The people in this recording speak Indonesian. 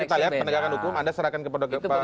kita lihat penegakan hukum anda serahkan kepada